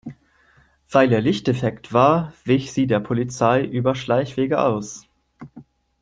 Weil ihr Licht defekt war, wich sie der Polizei über Schleichwege aus.